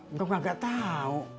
engkau ngga tau